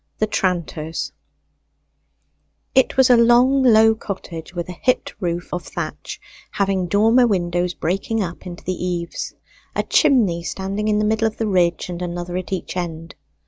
THE TRANTER'S It was a long low cottage with a hipped roof of thatch, having dormer windows breaking up into the eaves, a chimney standing in the middle of the ridge and another at each end.